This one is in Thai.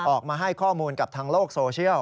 ออกมาให้ข้อมูลกับทางโลกโซเชียล